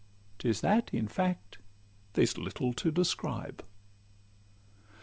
'Tis that, in fact, there's little to describe.